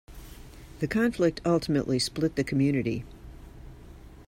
The conflict ultimately split the community.